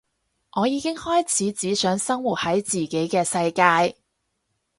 我已經開始只想生活喺自己嘅世界